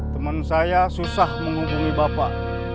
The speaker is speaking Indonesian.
teman saya susah menghubungi bapak